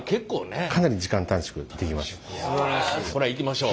これはいきましょう。